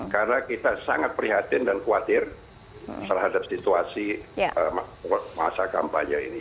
karena kita sangat prihatin dan khawatir terhadap situasi masa kampanye ini